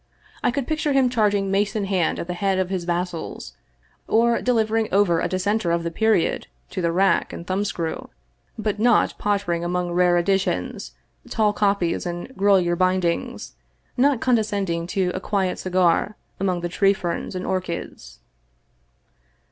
I could picture him charging mace in hand at the head of his vassals, or delivering over a dissenter of the period to the rack and thumbscrew, but not pottering among rare editions, tall copies and Grolier bindings, nor condescend ing to a quiet cigar among the tree ferns and orchids.